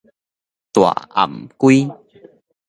大頷胿